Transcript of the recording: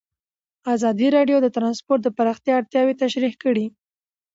ازادي راډیو د ترانسپورټ د پراختیا اړتیاوې تشریح کړي.